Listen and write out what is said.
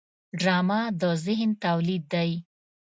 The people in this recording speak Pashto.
ډرامه د ذهن تولید دی